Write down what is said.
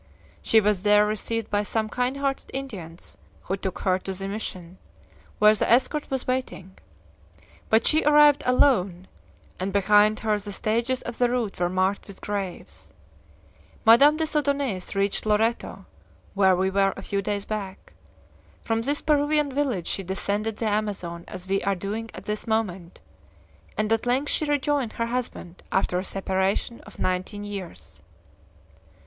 She was there received by some kind hearted Indians, who took her to the missions, where the escort was waiting. But she arrived alone, and behind her the stages of the route were marked with graves! Madame des Odonais reached Loreto, where we were a few days back. From this Peruvian village she descended the Amazon, as we are doing at this moment, and at length she rejoined her husband after a separation of nineteen years."